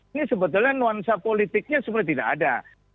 ini sebetulnya nuansa politiknya sebenarnya tidak ada